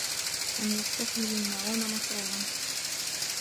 أَنْ يَسْتَسْهِلَ الْمَعُونَةَ مَسْرُورًا